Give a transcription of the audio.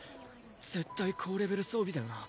絶対高レベル装備だよな？